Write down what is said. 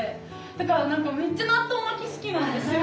だからめっちゃ納豆巻き好きなんですよ。